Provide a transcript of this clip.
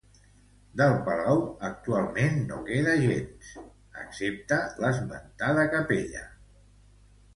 Del palau actualment no queda gens, excepte l'esmentada capella.